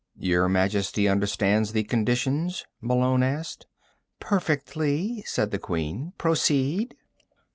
"Your Majesty understands the conditions?" Malone asked. "Perfectly," said the Queen. "Proceed."